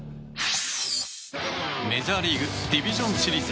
メジャーリーグディビジョンシリーズ。